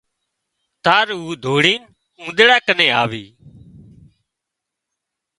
تار او ڌوڙينَ اونۮيڙا ڪنين آوي